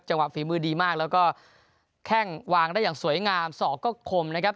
จังหวับฝีมือดีมากแล้วก็แข้งวางได้อย่างสวยงามสกคมนะครับ